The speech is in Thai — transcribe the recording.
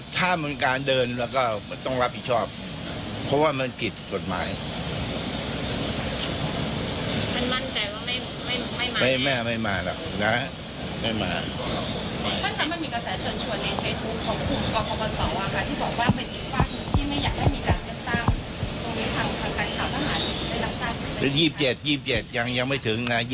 พี่ไม่อยากให้มีจังหรือตลาดตรงนี้เขา